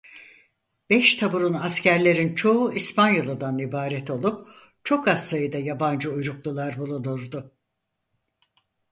Beş taburun askerlerin çoğu İspanyalıdan ibaret olup çok az sayıda yabancı uyruklular bulunurdu.